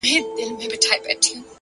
هوښیار انسان له فرصتونو ساتنه کوي,